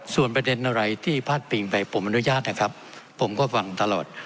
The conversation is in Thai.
ส่วนประเด็นอะไรที่พาดปิงไปผมอนุญาตนะครับผมก็ฟังตลอด